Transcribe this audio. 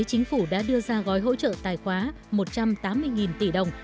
chính phủ đã đưa ra gói hỗ trợ tài khoá một trăm tám mươi tỷ đồng